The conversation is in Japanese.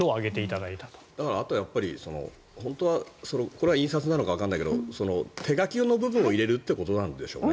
だから、あとは本当は、これは印刷なのかわからないけど手書きの部分を入れるということなんでしょうね。